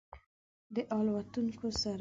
د الوتونکو سره